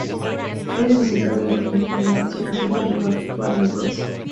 Es el sucesor del departamento de animación disuelto de Warner Bros.